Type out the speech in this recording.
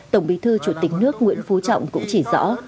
tổng bí thư chủ tịch nước nguyễn phú trọng cũng chỉ rõ